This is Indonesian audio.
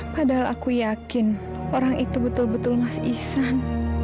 padahal aku yakin orang itu betul betul mas isan